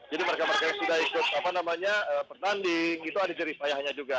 jadi mereka mereka yang sudah ikut pertanding itu ada jari sayangnya juga